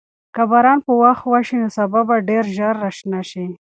که باران په وخت وشي، نو سابه به ډېر ژر راشنه شي.